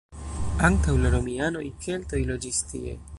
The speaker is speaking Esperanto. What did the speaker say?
Antaŭ la romianoj keltoj loĝis tie.